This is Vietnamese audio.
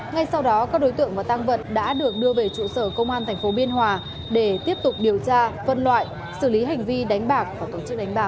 ngay sau đó các đối tượng và tăng vật đã được đưa về trụ sở công an tp biên hòa để tiếp tục điều tra vân loại xử lý hành vi đánh bạc và tổ chức đánh bạc